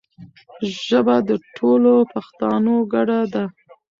ژبه د ټولو پښتانو ګډه ده.